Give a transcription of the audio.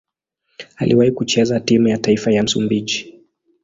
Aliwahi kucheza timu ya taifa ya Msumbiji.